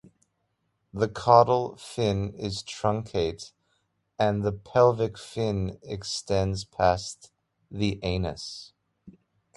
The caudal fin is truncate and the pelvic fin extends past the anus.